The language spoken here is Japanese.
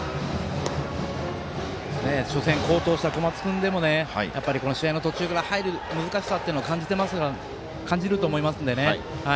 初戦、好投した小松君でもこの試合、途中から入る難しさっていうのを感じると思いますのでね